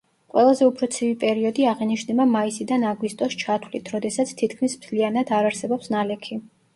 ყველაზე უფრო ცივი პერიოდი აღინიშნება მაისიდან აგვისტოს ჩათვლით, როდესაც თითქმის მთლიანად არ არსებობს ნალექი.